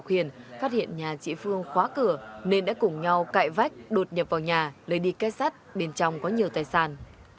ngọc hiền phát hiện nhà trị phương khóa cửa nên đã cùng nhau cại vách đột nhập vào nhà lấy đi cái sắt bên trong có nhiều tài sản